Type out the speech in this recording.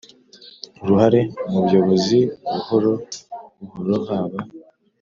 Uruhare mu buyobozi buhoro buhoro haba